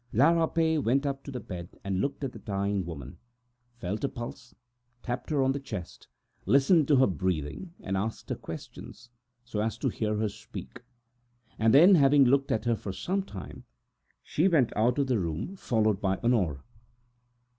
La Rapet went up to the bed and looked at the dying woman, felt her pulse, tapped her on the chest, listened to her breathing, and asked her questions, so as to hear her speak: then, having looked at her for some time longer, she went out of the room, followed by Honore.